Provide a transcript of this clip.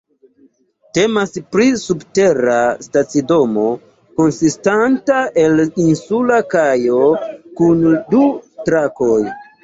Temas pri subtera stacidomo konsistanta el insula kajo kun du trakoj.